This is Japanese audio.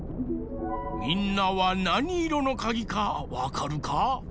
みんなはなにいろのかぎかわかるか？